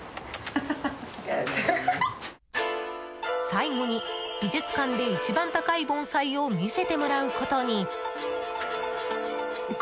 最後に美術館で一番高い盆栽を見せてもらうことに。